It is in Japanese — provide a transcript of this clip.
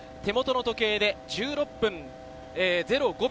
手元の時計で１６分０５秒。